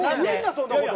そんなこと。